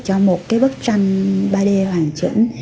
cho một cái bức tranh ba d hoàn chỉnh